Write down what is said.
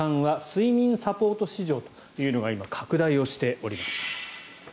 睡眠サポート市場というのが今拡大をしております。